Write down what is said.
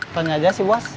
tanya aja sih bos